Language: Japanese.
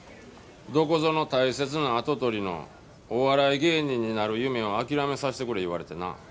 どこぞの大切な跡取りのお笑い芸人になる夢を諦めさせてくれ言われてな。